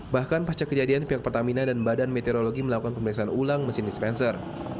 bahkan pasca kejadian pihak pertamina dan badan meteorologi melakukan pemeriksaan ulang mesin dispenser